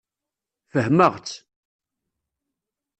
Fehmeɣ-tt.